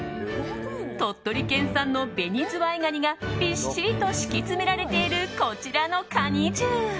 鳥取県産のベニズワイガニがびっしりと敷き詰められているこちらの蟹重。